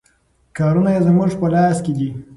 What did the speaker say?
کارونه یې زموږ په لاس کې دي.